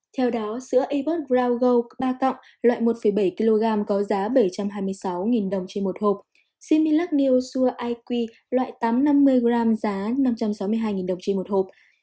theo đó sữa a bot ground gold ba tọng loại một bảy kg có giá bảy trăm hai mươi sáu đồng trên một hộp similac neo sur iq loại tám trăm năm mươi g giá năm trăm sáu mươi hai đồng trên một hộp